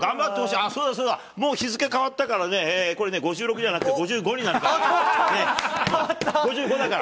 あっ、そうだそうだ、もう日付変わったからね、これね、５６じゃなくて、５５になるから。